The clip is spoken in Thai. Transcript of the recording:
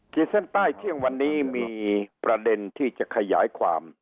เส้นใต้เที่ยงวันนี้มีประเด็นที่จะขยายความ